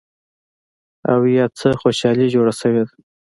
او يا څه خوشحالي جوړه شوې ده